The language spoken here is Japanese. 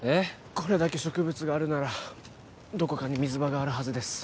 これだけ植物があるならどこかに水場があるはずです